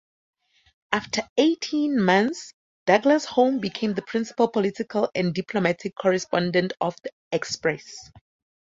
After eighteen months, Douglas-Home became the principal political and diplomatic correspondent of the "Express".